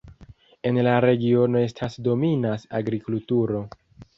En la regiono estas dominas agrikulturo.